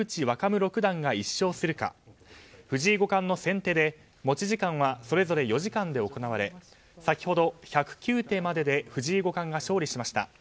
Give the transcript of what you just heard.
武六段が１勝するか藤井五冠の先手で、持ち時間はそれぞれ４時間で行われ先ほど１０９手までで藤井五冠が勝利しました。